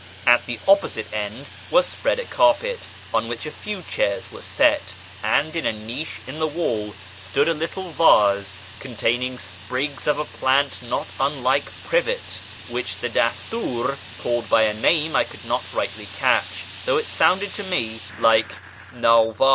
At the opposite end was spread a carpet, on which a few chairs were set ; and in a niche in the wall stood a little vase containing sprigs of a plant not unlike privet which the dastur called by a name I could not riglitly catch, though it sounded to me like " ndtvd."